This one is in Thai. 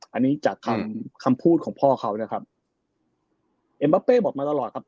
อันนี้จากคำพูดของพ่อเขานะครับ